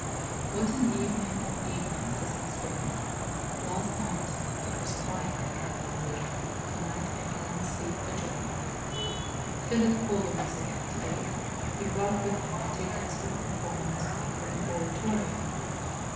....... What an evening of evenings this has been! Last night it was crying that kept me awake. To night I can't sleep for joy. Philip called on us again to day. He brought with him tickets for the performance of an Oratorio.